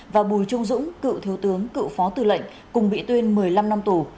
và bùi trung dũng cựu thiếu tướng cựu phó tư lệnh cùng bị tuyên một mươi năm năm tù